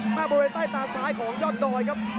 บริเวณใต้ตาซ้ายของยอดดอยครับ